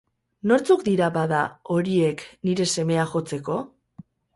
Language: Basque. Nortzuk dira, bada, horiek, nire semea jotzeko?